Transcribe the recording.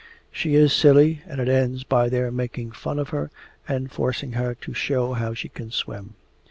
She is silly, and it ends by their making fun of her and forcing her to show how she can swim.